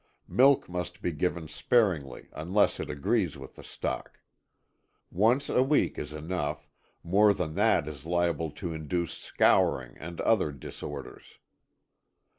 Milk must be given sparingly unless it agrees with the stock. Once a week is enough, more than that is liable to induce scouring and other disorders.